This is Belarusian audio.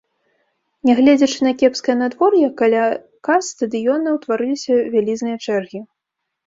Нягледзячы на кепскае надвор'е, каля кас стадыёна ўтварыліся вялізныя чэргі.